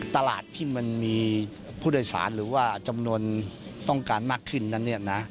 ตลาดที่มันมีผู้โดยสารหรือว่าจำนวนต้องการมากขึ้นนั้น